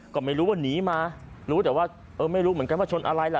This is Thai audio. ก็ไม่รู้ว่าหนีมารู้แต่ว่าเออไม่รู้เหมือนกันว่าชนอะไรล่ะ